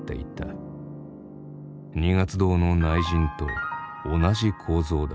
二月堂の内陣と同じ構造だ。